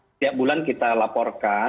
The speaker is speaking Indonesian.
setiap bulan kita laporkan